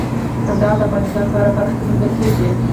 کندهار د افغانستان په هره برخه کې موندل کېږي.